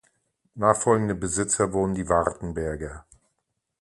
Nachfolgende Besitzer wurden die Wartenberger.